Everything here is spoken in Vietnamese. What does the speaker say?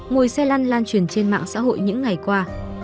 ngồi xe lăn lan lan truyền trên mạng xã hội những ngày qua